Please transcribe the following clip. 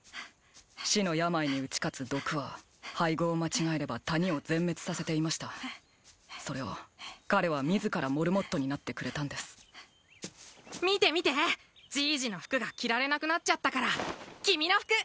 死の病に打ち勝つ毒は配合を間違えれば谷を全滅させていましたそれを彼は自らモルモットになってくれたんです見て見てじいじの服が着られなくなっちゃったから君の服！